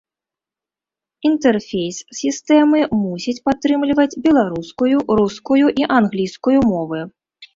Інтэрфейс сістэмы мусіць падтрымліваць беларускую, рускую і англійскую мовы.